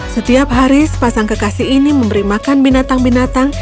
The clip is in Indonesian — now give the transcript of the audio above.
setiap hari sepasang kekasih ini memberi makan binatang binatang